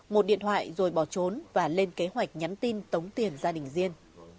một điện thoại rồi bỏ trốn và lên kế hoạch nhắn tin tống tiền gia đình riêng